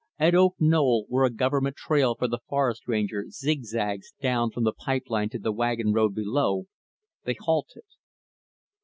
At Oak Knoll, where a Government trail for the Forest Ranger zigzags down from the pipe line to the wagon road below, they halted.